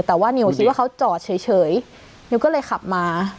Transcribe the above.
แต่ว่านิวคิดว่าเขาจอดเฉยนิวก็เลยขับมา